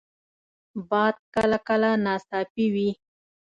باد کله کله ناڅاپي وي